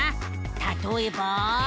たとえば。